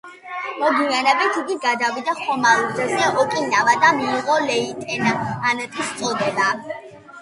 მოგვიანებით იგი გადავიდა ხომალდზე „ოკინავა“ და მიიღო ლეიტენანტის წოდება.